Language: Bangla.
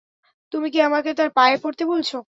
তুমি কি আমাকে তার পায়ে পড়তে বলছ?